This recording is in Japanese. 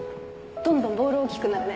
どんどんボール大きくなるね。